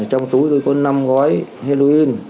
trong túi tôi có năm gói heroin